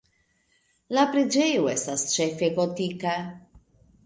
La preĝejo estas ĉefe gotika.